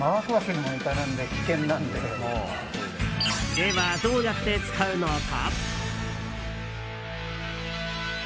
では、どうやって使うのか。